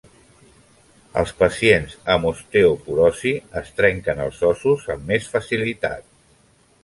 Els pacients amb osteoporosi es trenquen els ossos amb més facilitat.